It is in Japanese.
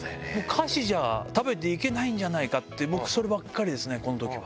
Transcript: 歌手じゃ食べていけないんじゃないかって僕、そればっかりですね、このときは。